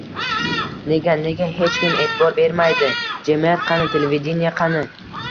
–“Nega!? Nega hech kim e’tibor bermadi!? Jamiyat qani, televideniye qani!?”